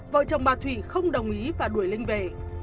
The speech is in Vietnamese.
vợ chồng bà thủy không đồng ý và đuổi linh về